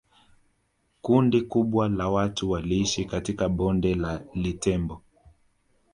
Kundi kubwa la watu wailishi katika Bonde la Litembo